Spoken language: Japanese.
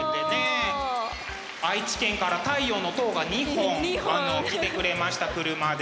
愛知県から「太陽の塔」が２本来てくれました車で。